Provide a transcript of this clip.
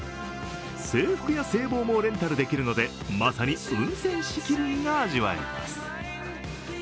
制服や制帽もレンタルできるので、まさに運転士気分が味わえます。